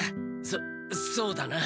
そそうだな。